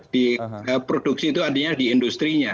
di produksi itu artinya di industri nya